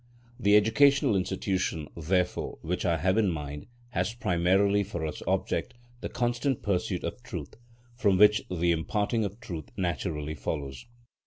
The educational institution, therefore, which I have in mind has primarily for its object the constant pursuit of truth, from which the imparting of truth naturally follows.